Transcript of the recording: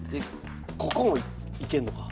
ここもいけんのか。